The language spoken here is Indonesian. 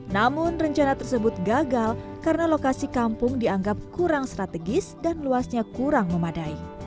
namun rencana tersebut gagal karena lokasi kampung dianggap kurang strategis dan luasnya kurang memadai